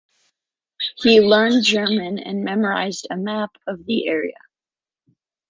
He learned German and memorised a map of the area.